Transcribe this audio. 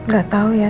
gak tau ya